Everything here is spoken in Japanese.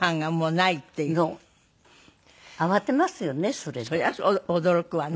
そりゃ驚くわね。